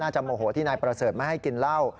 จะโมโหที่นายประเสริฐไม่ให้กินเหล้า